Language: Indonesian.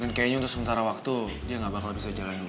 dan kayaknya untuk sementara waktu dia nggak bakal bisa jalan dulu